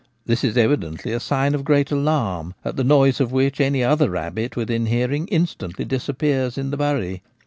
This is evidently a sign of great alarm, at the noise of which any other rabbit within hearing in stantly disappears in the 'bury.'